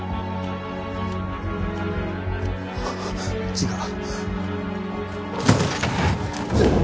違う。